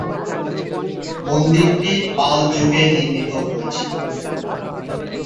মন্দিরটি পাল যুগে নির্মিত হয়েছিল।